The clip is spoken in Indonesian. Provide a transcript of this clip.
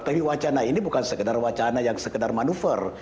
tapi wacana ini bukan sekedar wacana yang sekedar manuver